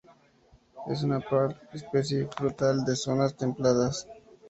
Es una especie frutal de zonas templadas.